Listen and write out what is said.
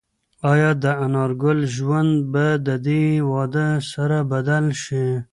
ایا د انارګل ژوند به د دې واده سره بدل شي؟